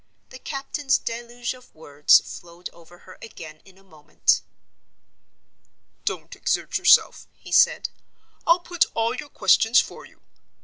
The captain's deluge of words flowed over her again in a moment. "Don't exert yourself," he said. "I'll put all your questions for you.